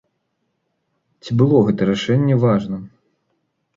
Ці было гэта рашэнне важным?